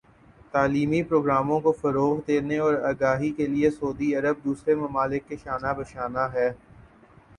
تعلیمی پروگراموں کو فروغ دینے اور آگاہی بڑھانے کے لئے سعودی عرب دوسرے ممالک کے شانہ بشانہ ہے